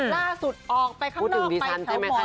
ล่าสุดออกไปข้างนอกไปแถวหมอชิต